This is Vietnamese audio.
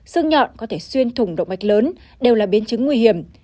xương nhọn có thể xuyên thùng động mạch lớn đều là biến chứng nguy hiểm